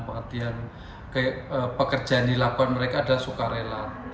pengertian pekerjaan yang dilakukan mereka adalah sukarela